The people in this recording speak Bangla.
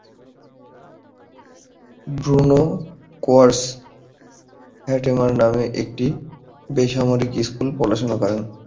ব্রুনো কোরস হ্যাটেমার নামে একটি বেসরকারি স্কুলে পড়াশোনা করেন।